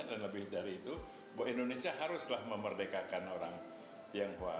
dan lebih dari itu bahwa indonesia haruslah memerdekakan orang tionghoa